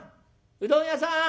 うどん屋さん！」。